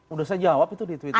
udah saya jawab itu di twitter